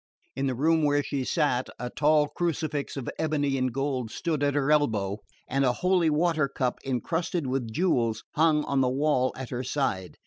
In the room where she sat, a tall crucifix of ebony and gold stood at her elbow and a holy water cup encrusted with jewels hung on the wall at her side.